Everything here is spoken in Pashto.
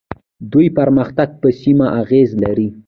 د دوی پرمختګ په سیمه اغیز لري.